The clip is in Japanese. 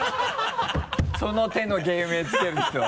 その手の芸名つける人。